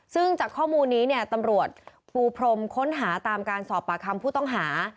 ซึ่งจากข้อมูลนี้เนี่ยตำรวจปูพรมค้นหาตามการสอบปากคำผู้ต้องหา